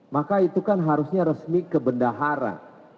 maka itu kan harusnya resmi ke bendahara